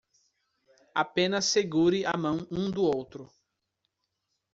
Apenas segure a mão um do outro